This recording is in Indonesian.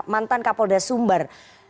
mantan kapolda sumber